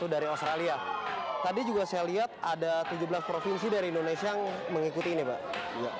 dari australia tadi juga saya lihat ada tujuh belas provinsi dari indonesia yang mengikuti ini pak